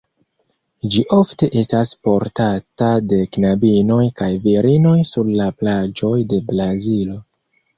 Ĝi ofte estas portata de knabinoj kaj virinoj sur la plaĝoj de Brazilo.